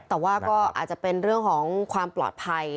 แต่ว่าก็อาจจะเป็นเรื่องของความปลอดภัย